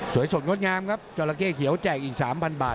สดงดงามครับจราเข้เขียวแจกอีก๓๐๐บาท